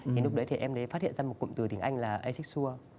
thì lúc đấy thì em phát hiện ra một cụm từ tiếng anh là asexual